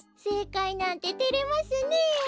せいかいなんててれますねえ。